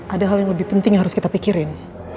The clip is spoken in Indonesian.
ada hal yang lebih penting yang harus kita pikirin